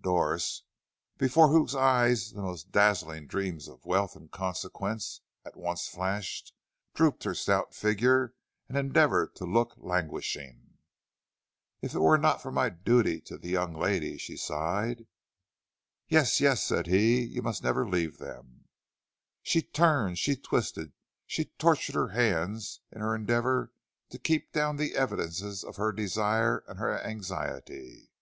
Doris, before whose eyes the most dazzling dreams of wealth and consequence at once flashed, drooped her stout figure and endeavored to look languishing. "If it were not for my duty to the young ladies," sighed she. "Yes, yes," said he, "you must never leave them." She turned, she twisted, she tortured her hands in her endeavor to keep down the evidences of her desire and her anxiety.